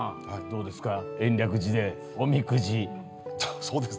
どうですか、延暦寺でおみくじ。